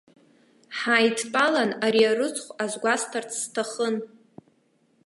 Ҳааидтәалан ари арыцхә азгәасҭарц сҭахын.